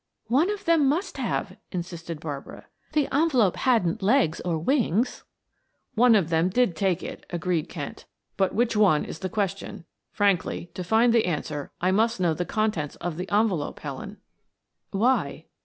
"One of them must have," insisted Barbara. "The envelope hadn't legs or wings." "One of them did take it," agreed Kent. "But which one is the question. Frankly, to find the answer, I must know the contents of the envelope, Helen." "Why?"